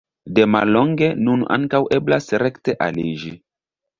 De mallonge nun ankaŭ eblas rekte aliĝi.